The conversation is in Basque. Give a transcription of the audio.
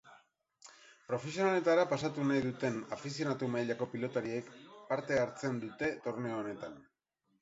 Profesionaletara pasatu nahi duten afizionatu mailako pilotariek parte hartzen dute torneo honetan.